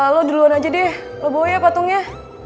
lo duluan aja deh lo bawa ya patungnya